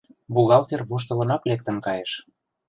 Бухгалтер воштылынак лектын кайыш.